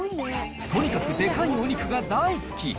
とにかくでかいお肉が大好き。